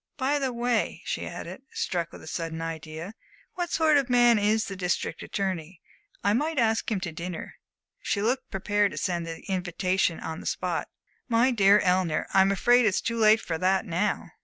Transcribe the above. By the way," she added, struck with a sudden idea, "what sort of man is the District Attorney? I might ask him to dinner." And she looked prepared to send the invitation on the spot. "My dear Eleanor, I'm afraid it's too late for that now.